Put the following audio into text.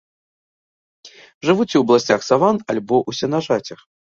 Жывуць у абласцях саван альбо ў сенажацях.